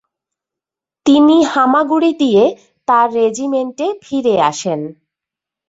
তিনি হামাগুড়ি দিয়ে তার রেজিমেন্টে ফিরে আসে।